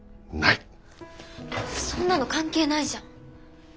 そんなの関係ないじゃん。